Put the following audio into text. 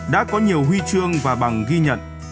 đã có nhiều huy chương và bằng ghi nhận